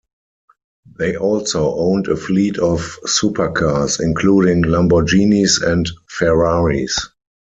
They also owned a fleet of supercars including Lamborghinis and Ferraris.